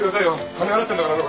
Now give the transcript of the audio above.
金払ってんだからね